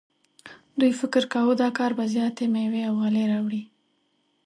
دوی فکر کاوه دا کار به زیاتې میوې او غلې راوړي.